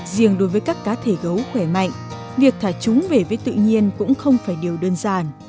riêng đối với các cá thể gấu khỏe mạnh việc thả chúng về với tự nhiên cũng không phải điều đơn giản